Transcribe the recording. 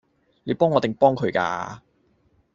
你幫我定幫佢㗎？